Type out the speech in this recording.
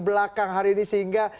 belakang hari ini sehingga